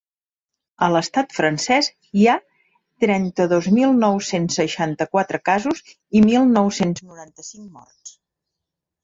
A l’estat francès hi ha trenta-dos mil nou-cents seixanta-quatre casos i mil nou-cents noranta-cinc morts.